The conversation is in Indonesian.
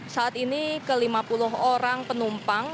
saat ini kelima puluh orang penumpang